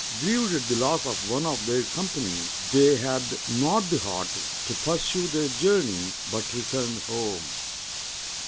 Grieved at the loss of one of their company, they had not the heart to pur sue their journey, but returned home.